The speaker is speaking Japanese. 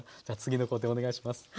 じゃあ次の工程お願いします。